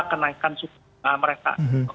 kenaikan sudah mereka